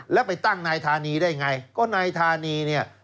แล้วไปตั้งนายธานีได้ไงก็นายธานีเนี่ย